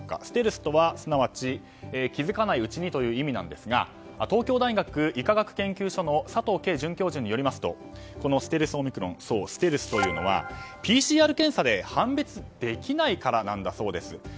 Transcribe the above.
ステルスとは、すなわち気づかないうちにという意味ですが東京大学医科学研究所の佐藤佳准教授によりますとステルスというのはＰＣＲ検査で判別できないからなんだそうです。